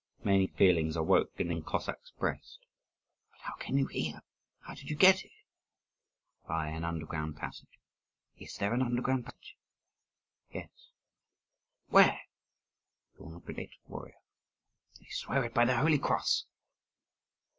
'" Many feelings awoke in the young Cossack's breast. "But how came you here? how did you get here?" "By an underground passage." "Is there an underground passage?" "Yes." "Where?" "You will not betray it, warrior?" "I swear it by the holy cross!"